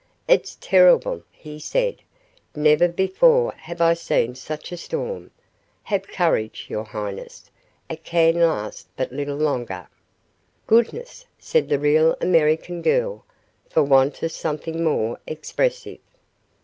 "It's terrible," he said. "Never before have I seen such a storm. Have courage, your highness; it can last but little longer." "Goodness!" said the real American girl, for want of something more expressive.